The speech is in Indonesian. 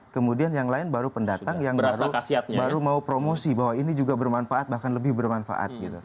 kemudian yang lain baru pendatang yang baru mau promosi bahwa ini juga bermanfaat bahkan lebih bermanfaat